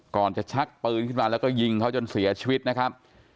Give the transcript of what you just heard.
ก่อนจะชักปืนขึ้นมาแล้วก็ยิงเขาจนเสียชีวิตนะครับ